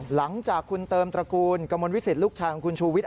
หลังจากคุณเติมตระกูลกระมวลวิสิตลูกชายของคุณชูวิทย